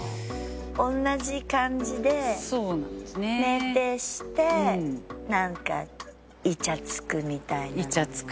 同じ感じで酩酊してなんかイチャつくみたいな。